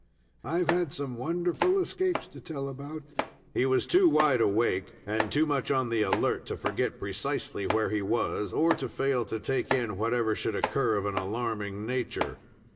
I've had some wonderful escapes to tell about " He was too wide awake and too much on the alert to forget precisely where he was, or to fail to take in whatever should occur of an alarming nature.